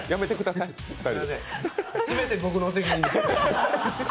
全て僕の責任です。